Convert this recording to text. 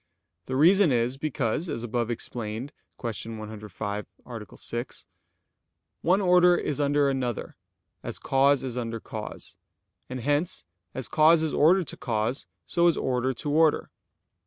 The reason is, because, as above explained (Q. 105, A. 6), one order is under another, as cause is under cause; and hence as cause is ordered to cause, so is order to order.